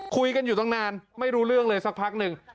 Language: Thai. คุยกันอยู่ตั้งนานไม่รู้เรื่องเลยสักพักหนึ่ง